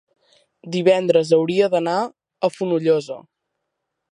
divendres hauria d'anar a Fonollosa.